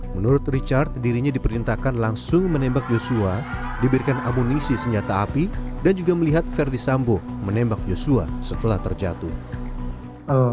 menurut richard dirinya diperintahkan langsung menembak joshua diberikan amunisi senjata api dan juga melihat verdi sambo menembak yosua setelah terjatuh